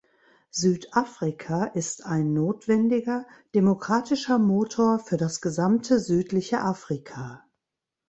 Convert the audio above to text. Südafrika ist ein notwendiger demokratischer Motor für das gesamte südliche Afrika.